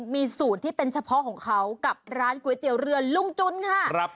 มีสูตรที่เป็นเฉพาะของเขากับร้านก๋วยเตี๋ยวเรือลุงจุนค่ะ